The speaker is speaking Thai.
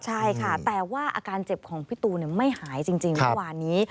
ใช่ค่ะแต่ว่าอาการเจ็บของพี่ตูนไม่หายจริงเมื่อวานนี้